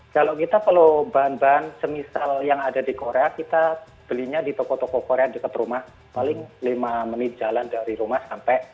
kalau kita perlu bahan bahan semisal yang ada di korea kita belinya di toko toko korea dekat rumah paling lima menit jalan dari rumah sampai